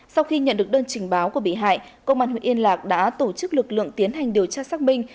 sau khi nhận được đơn trình báo của bị hại công an huyện yên lạc đã tổ chức lực lượng tiến hành điều tra xác minh